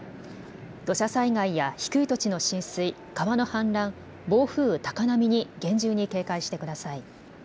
土砂災害や低い土地の浸水、川の氾濫、暴風、高波に厳重に警戒してください。